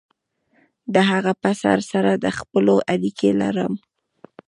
د هغه پسه سره د خپلوۍ اړیکه لرم.